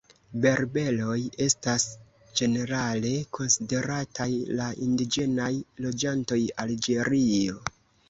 Berberoj estas ĝenerale konsiderataj la indiĝenaj loĝantoj Alĝerio.